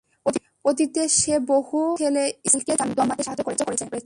অতীতে সে বহু সেলেস্টিয়ালকে জন্মাতে সাহায্য করেছে।